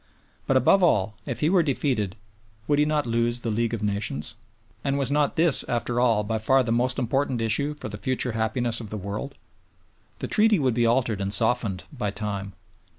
But above all, if he were defeated, would he not lose the League of Nations? And was not this, after all, by far the most important issue for the future happiness of the world? The Treaty would be altered and softened by time.